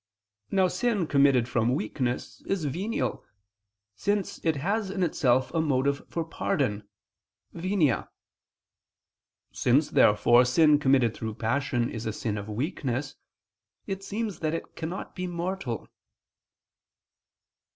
Now sin committed from weakness is venial, since it has in itself a motive for pardon (venia). Since therefore sin committed through passion is a sin of weakness, it seems that it cannot be mortal.